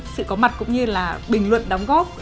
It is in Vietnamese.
sự có mặt cũng như là bình luận đóng góp